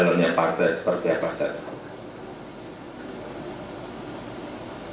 sebenarnya partai seperti apa saya